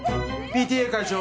ＰＴＡ会長。